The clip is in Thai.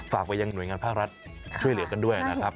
ฝากไปยังหน่วยงานภาครัฐช่วยเหลือกันด้วยนะครับ